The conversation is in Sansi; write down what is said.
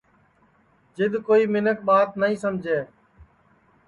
جِد کوئی مینکھ ٻات نائی سمجے